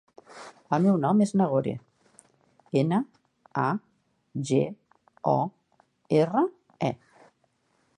El meu nom és Nagore: ena, a, ge, o, erra, e.